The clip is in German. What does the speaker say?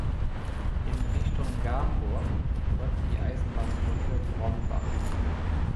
In Richtung Gamburg folgt die Eisenbahnbrücke Bronnbach.